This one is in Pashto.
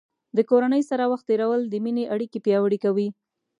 د کورنۍ سره وخت تیرول د مینې اړیکې پیاوړې کوي.